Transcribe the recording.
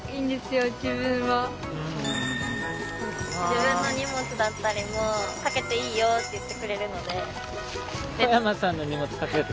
自分の荷物だったりもかけていいよって言ってくれるので。